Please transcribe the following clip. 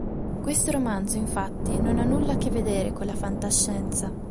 Questo romanzo infatti non ha nulla a che vedere con la fantascienza.